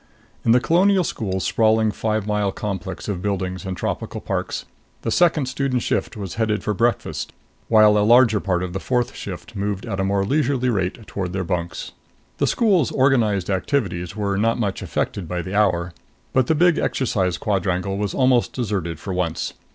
In the Colonial School's sprawling five mile complex of buildings and tropical parks, the second student shift was headed for breakfast, while a larger part of the fourth shift moved at a more leisurely rate toward their bunks. The school's organized activities were not much affected by the hour, but the big exercise quadrangle was almost deserted for once.